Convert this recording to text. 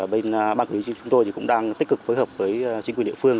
bên ban quý trí chúng tôi cũng đang tích cực phối hợp với chính quyền địa phương